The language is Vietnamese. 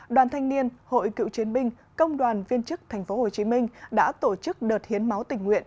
đoàn thanh niên hội cựu chiến binh công đoàn viên chức tp hcm đã tổ chức đợt hiến máu tình nguyện